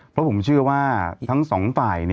เพราะผมเชื่อว่าทั้งสองฝ่าย